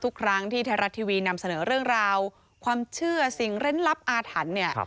ทุกครั้งที่ไทยรัฐทีวีนำเสนอเรื่องราวความเชื่อสิ่งเล่นลับอาถรรพ์เนี่ย